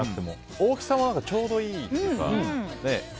大きさもちょうどいいというか。